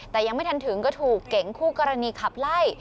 แต่ยังไม่ทันถึงก็ถูกเก๋งคู่กรณีขับไล่